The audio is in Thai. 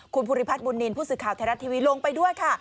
คุณภูริพัฒนบุญนินทร์ผู้สื่อข่าวไทยรัฐทีวีลงไปด้วยค่ะ